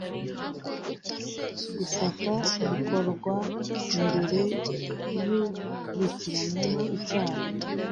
Gusaka bikorwa imbere y ukurikiranyweho icyaha